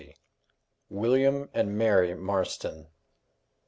WILLIAM AND MARY MARSTON.